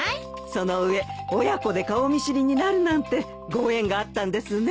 その上親子で顔見知りになるなんてご縁があったんですね。